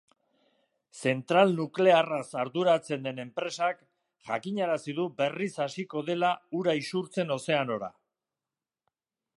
Zentral nuklearraz arduratzen den enpresak jakinarazi du berriz hasiko dela ura isurtzen ozeanora.